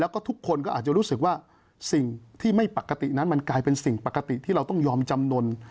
แล้วก็ทุกคนก็อาจจะรู้สึกว่าสิ่งที่ไม่ปกตินั้นมันกลายเป็นสิ่งปกติที่เราต้องยอมจำนวน